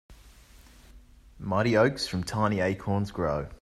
Mighty oaks from tiny acorns grow.